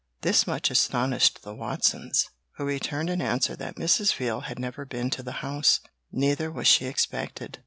This much astonished the Watsons, who returned an answer that Mrs. Veal had never been to the house, neither was she expected.